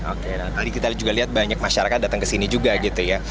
oke tadi kita juga lihat banyak masyarakat datang ke sini juga gitu ya